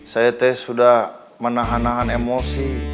saya teh sudah menahan nahan emosi